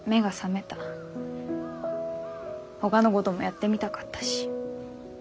ほかのごどもやってみたかったし。